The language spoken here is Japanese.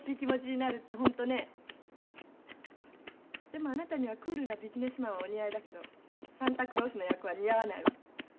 でもあなたにはクールなビジネスマンはお似合いだけどサンタクロースの役は似合わないわ。